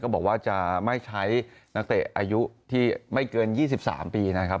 บอกว่าจะไม่ใช้นักเตะอายุที่ไม่เกิน๒๓ปีนะครับ